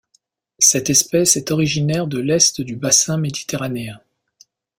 Cette espèce est originaire de l'Est du bassin méditerranéen.